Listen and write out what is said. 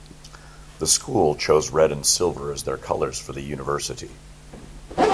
The school chose red and silver as their colors for the university.